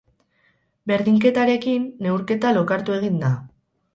Berdinketarekin, neurketa lokartu egin da.